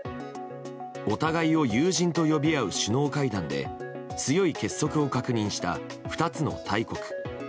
お互いを友人と呼び合う首脳会談で強い結束を確認した２つの大国。